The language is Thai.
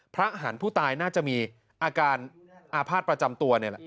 หันผู้ตายน่าจะมีอาการอาภาษณ์ประจำตัวนี่แหละ